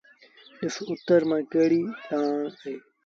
ڏس اُتر مآݩ ڪيڏيٚ لآڻ اهي۔